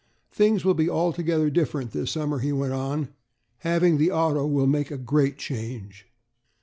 "Things will be altogether different this summer," he went on; "having the auto will make a great change."